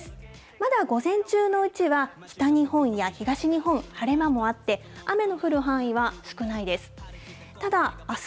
まだ午前中のうちは北日本や東日本、晴れ間もあって、雨の降る範囲は少ないです。